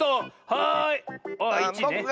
はい！